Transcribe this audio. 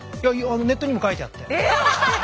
ネットにも書いてあって。